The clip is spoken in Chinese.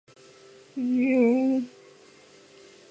大苞滨藜为藜科滨藜属下的一个变种。